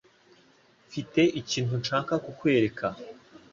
Mfite ikintu nshaka kukwereka.